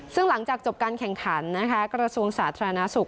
ซึ่งหลังจากจบการแข่งขันนะคะกระทรวงสาธารณสุข